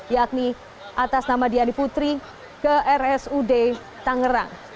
yakni atas nama diani putri ke rsud tangerang